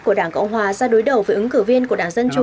của đảng cộng hòa ra đối đầu với ứng cử viên của đảng dân chủ